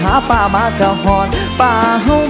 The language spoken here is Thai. ห่อมิ้นเห็นกลิ่นต่ำดัง